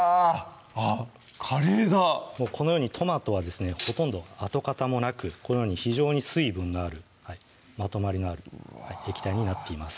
あっカレーだこのようにトマトはですねほとんど跡形もなくこのように非常に水分のあるまとまりのある液体になっています